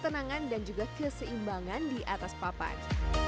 dan juga keseimbangan di atas papan